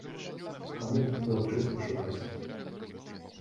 Каму б даручыць пашукаць?